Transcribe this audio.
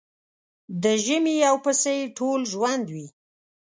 د ژمي يو پسه يې ټول ژوند وي.